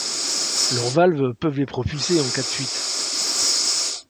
Leur valves peuvent les propulser en cas de fuite.